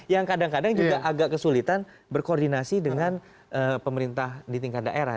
yang kadang kadang juga agak kesulitan berkoordinasi dengan pemerintah di tingkat daerah